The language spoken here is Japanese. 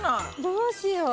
どうしよう。